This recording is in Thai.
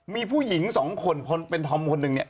มีผู้หญิงสองคนเป็นธอมคนหนึ่งเนี่ย